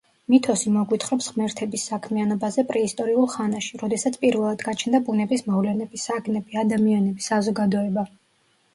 მითოსი მოგვითხრობს ღმერთების საქმიანობაზე პრეისტორიულ ხანაში, როდესაც პირველად გაჩნდა ბუნების მოვლენები, საგნები, ადამიანები, საზოგადოება.